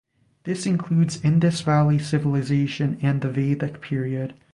This includes Indus Valley Civilization and the Vedic period.